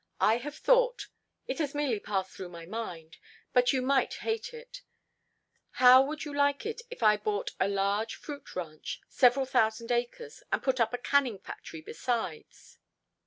I have thought it has merely passed through my mind but you might hate it how would you like it if I bought a large fruit ranch, several thousand acres, and put up a canning factory besides?